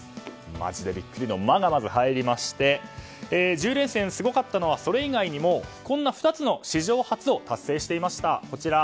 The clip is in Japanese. マジでビックリの「マ」が入りまして、１０連戦すごかったのはそれ以外にも史上初の２つを達成していました。